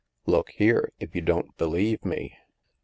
Look here, if you don't believe me."